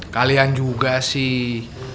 kalian juga sih